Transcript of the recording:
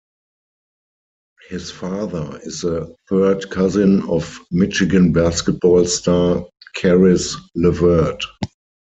His father is the third cousin of Michigan basketball star, Caris LeVert.